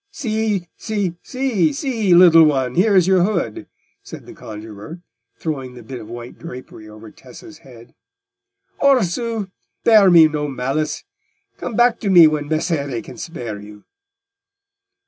"See, see, little one! here is your hood," said the conjuror, throwing the bit of white drapery over Tessa's head. "Orsù, bear me no malice; come back to me when Messere can spare you."